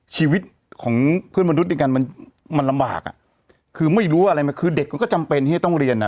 ชีวิตของเพื่อนมนุษย์ด้วยกันมันมันลำบากอ่ะคือไม่รู้อะไรมันคือเด็กมันก็จำเป็นที่จะต้องเรียนอ่ะ